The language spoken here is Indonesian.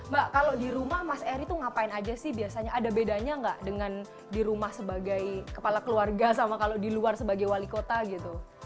mbak kalau di rumah mas eri tuh ngapain aja sih biasanya ada bedanya nggak dengan di rumah sebagai kepala keluarga sama kalau di luar sebagai wali kota gitu